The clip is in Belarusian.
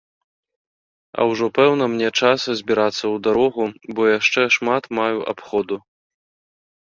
А ўжо пэўна мне час збірацца ў дарогу, бо яшчэ шмат маю абходу.